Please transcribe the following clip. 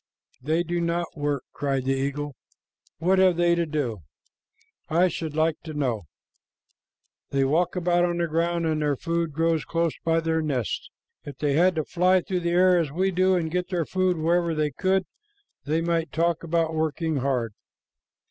"They do not work," cried the eagle. "What have they to do, I should like to know? They walk about on the ground, and their food grows close by their nests. If they had to fly through the air as we do, and get their food wherever they could, they might talk about working hard."